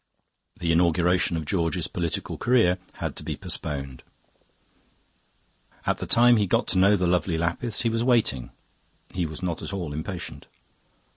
The inauguration of George's political career had to be postponed. At the time he got to know the lovely Lapiths he was waiting; he was not at all impatient.